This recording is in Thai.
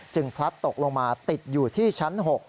จึงพระตกลงมาติดอยู่ที่ชั้น๖